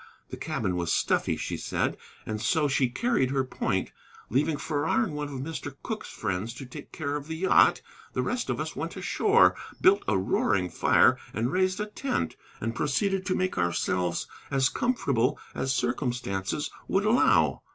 The cabin was stuffy, she said, and so she carried her point. Leaving Farrar and one of Mr. Cooke's friends to take care of the yacht, the rest of us went ashore, built a roaring fire and raised a tent, and proceeded to make ourselves as comfortable as circumstances would allow.